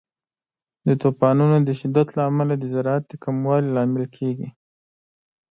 د طوفانونو د شدت له امله د زراعت د کموالي لامل کیږي.